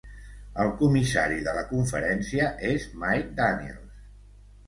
El comissari de la conferència és Mike Daniels.